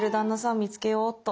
見つけようっと。